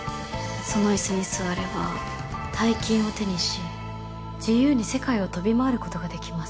その椅子に座れば大金を手にし自由に世界を飛び回ることができます。